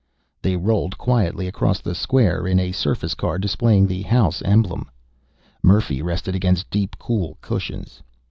They rolled quietly across the square in a surface car displaying the House emblem. Murphy rested against deep, cool cushions.